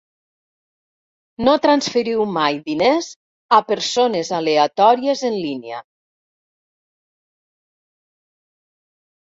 No transferiu mai diners a persones aleatòries en línia.